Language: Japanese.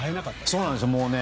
そうなんです。